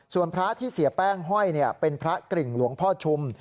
ส่วนพระที่เสียแป้งห้อยเป็นพระกริ่งหลวงพ่อชุม